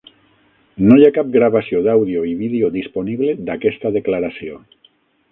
No hi ha cap gravació d'àudio i vídeo disponible d'aquesta declaració.